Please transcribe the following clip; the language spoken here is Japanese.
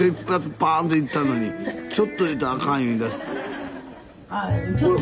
パーンといったのにちょっと入れたらあかん言いだして。